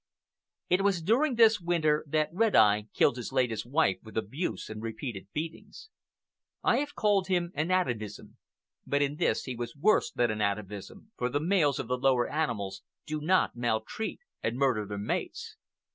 It was during this winter that Red Eye killed his latest wife with abuse and repeated beatings. I have called him an atavism, but in this he was worse than an atavism, for the males of the lower animals do not maltreat and murder their mates.